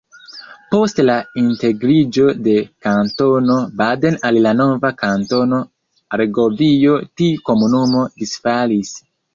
Post la integriĝo de Kantono Baden al la nova Kantono Argovio, tiu komunumo disfalis.